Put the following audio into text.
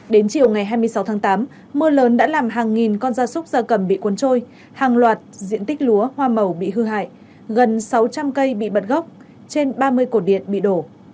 đến chiều ngày hai mươi sáu tháng tám mưa lớn đã làm hàng nghìn con da súc da cầm bị cuốn trôi hàng loạt diện tích lúa hoa màu bị hư hại gần sáu trăm linh cây bị bật gốc trên ba mươi cổ điện bị đổ